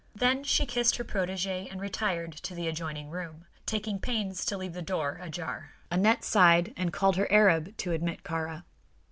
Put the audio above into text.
Then she kissed her protégé and retired to the adjoining room, taking pains to leave the door ajar. Aneth sighed, and called her Arab to admit Kāra.